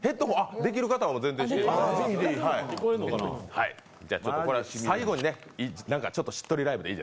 できる方は全然してください。